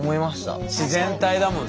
自然体だもんね。